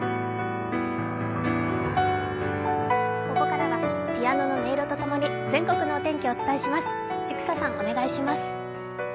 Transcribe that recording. ここからはピアノの音色と共に全国のお天気をお伝えします。